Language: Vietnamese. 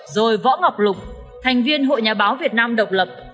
rồi võ ngọc lục thành viên hội nhà báo việt nam độc lập